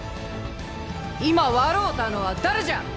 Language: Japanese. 今笑うたのは誰じゃ！